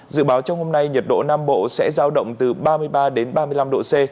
dự báo trong hôm nay nhiệt độ nam bộ sẽ giao động từ ba mươi ba đến ba mươi năm độ c